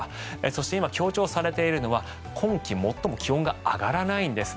そして、今強調されているのは今季最も気温が上がらないんです。